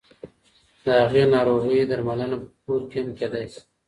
د هغې ناروغۍ درملنه په کور کې هم کېدای شي.